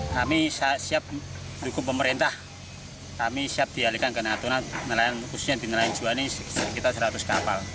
kami siap dukung pemerintah kami siap dialihkan ke natuna nelayan khususnya di nelayan juan ini sekitar seratus kapal